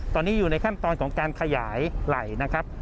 ตอนนี้อยู่ในขั้นตอนของการขยายไหล่นะครับ